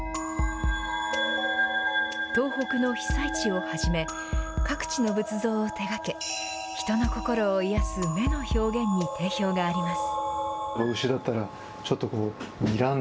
東北の被災地をはじめ各地の仏像を手がけ人の心を癒やす目の表現に定評があります。